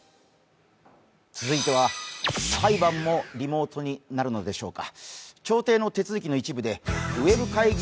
続いては裁判もリモートになるのでしょうか。